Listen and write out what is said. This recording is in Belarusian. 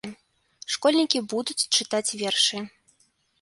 Школьнікі будуць чытаць вершы.